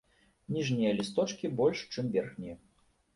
Ніжнія лісточкі больш, чым верхнія.